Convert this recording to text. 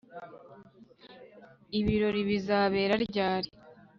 Ibirori bizabera ryari